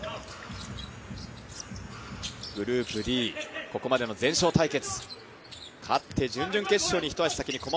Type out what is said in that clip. グループＤ、ここまでの全勝対決。